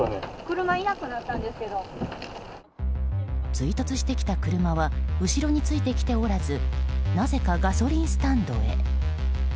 追突してきた車は後ろについてきておらずなぜかガソリンスタンドへ。